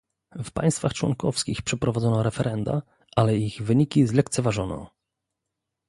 W państwach członkowskich przeprowadzono referenda, ale ich wyniki zlekceważono